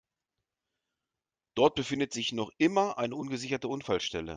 Dort befindet sich noch immer eine ungesicherte Unfallstelle.